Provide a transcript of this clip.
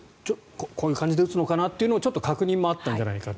こういう感じで打つのかなという確認もあったのではと。